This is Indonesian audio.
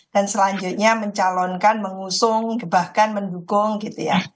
selanjutnya mencalonkan mengusung bahkan mendukung gitu ya